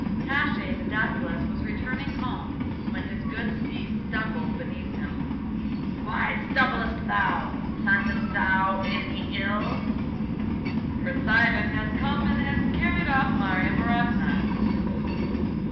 Koshchei the Deathless was returning home when his good steed stumbled beneath him. 'Why stumblest thou? Scentest thou any ill?' 'Prince Ivan has come and has carried off Marya Morevna.